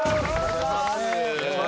お願いします